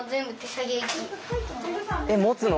えっ持つの？